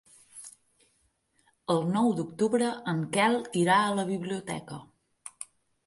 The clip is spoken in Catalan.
El nou d'octubre en Quel irà a la biblioteca.